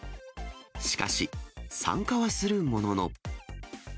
しかし、参加はするものの。